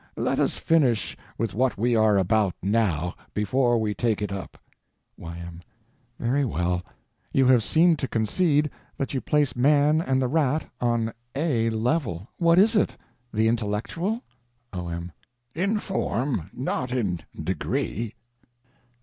Let us finish with what we are about now, before we take it up. Y.M. Very well. You have seemed to concede that you place Man and the rat on a level. What is it? The intellectual? O.M. In form—not a degree.